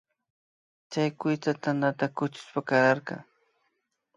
Chay kuytsa tandata kuchushpa kararka